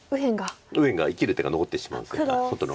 右辺が生きる手が残ってしまうというか外の。